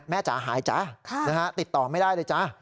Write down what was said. จ๋าหายจ๊ะติดต่อไม่ได้เลยจ้า